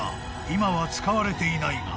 今は使われていないが］